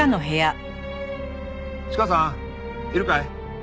チカさんいるかい？